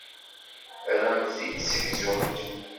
Ad am-t-id-ssegzunt.